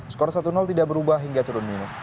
skor satu tidak berubah hingga turun minum